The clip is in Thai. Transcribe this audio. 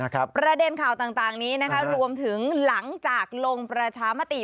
ประเด็นข่าวต่างนี้นะคะรวมถึงหลังจากลงประชามติ